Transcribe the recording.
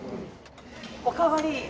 おかわり？